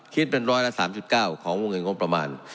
คิดเป็นร้อยละ๓๙ของวงเงินงบประมาณ